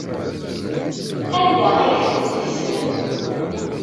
Anda ay tent-tessnem?